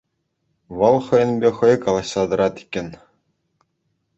Вӑл хӑйӗнпе хӑй калаҫса тӑрать иккен.